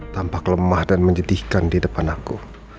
tampak lemah dan menyedihkan di depan aku